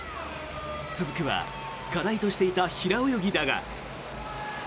続くは課題としていた平泳ぎだが。